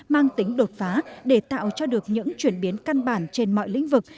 mang tính đột phá để tạo cho được những chuyển biến căn bản trên mọi lĩnh vực